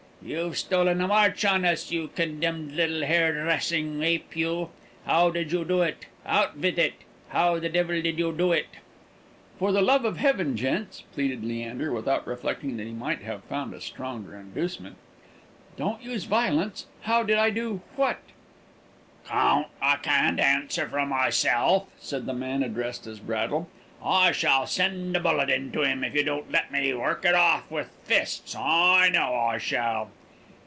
"You've stolen a march on us, you condemned little hairdressing ape, you! How did you do it? Out with it! How the devil did you do it?" "For the love of heaven, gents," pleaded Leander, without reflecting that he might have found a stronger inducement, "don't use violence! How did I do what?" "Count, I can't answer for myself," said the man addressed as Braddle. "I shall send a bullet into him if you don't let me work it off with fists; I know I shall!"